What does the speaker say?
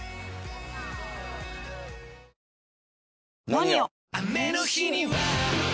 「ＮＯＮＩＯ」！